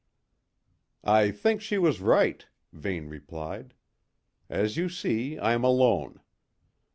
"I think she was right," Vane replied. "As you see, I'm alone.